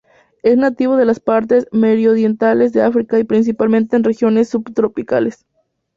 Es nativo de las partes meridionales de África, principalmente en regiones subtropicales.